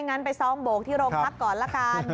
งั้นไปซ้อมโบกที่โรงพักก่อนละกัน